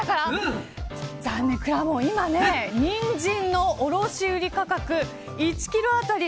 残念、くらもん今ニンジンの卸売り価格１キロ当たり